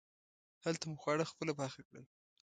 هلته مو خواړه خپله پاخه کړل.